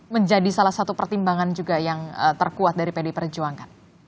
menjadi salah satu pertimbangan juga yang terkuat dari pd perjuangan